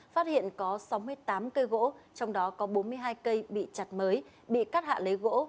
phát hiện có sáu mươi tám cây gỗ trong đó có bốn mươi hai cây bị chặt mới bị cắt hạ lấy gỗ